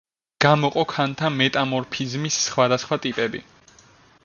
გამოყო ქანთა მეტამორფიზმის სხვადასხვა ტიპები.